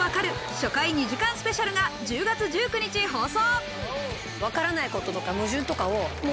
初回２時間スペシャルが１０月１９日放送。